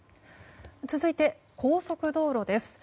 続いて高速道路です。